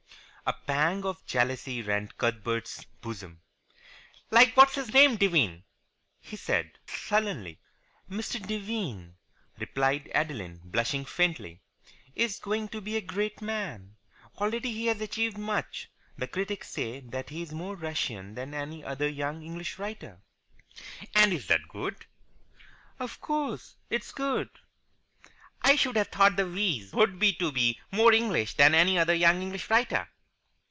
A pang of jealousy rent Cuthbert's bosom. "Like What's his name Devine?" he said, sullenly. "Mr. Devine," replied Adeline, blushing faintly, "is going to be a great man. Already he has achieved much. The critics say that he is more Russian than any other young English writer." "And is that good?" "Of course it's good." "I should have thought the wheeze would be to be more English than any other young English writer."